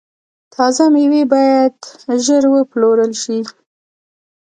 تازه میوې باید ژر وپلورل شي.